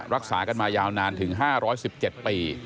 รักษากันมายาวนานถึง๕๑๗ปี